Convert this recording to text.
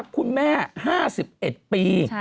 คุณแม่๕๑ปี